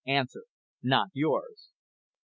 NOT YOURS Q.